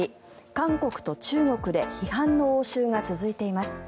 韓国と中国で批判の応酬が続いています。